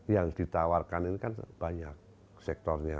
yang ditawarkan ini kan banyak sektornya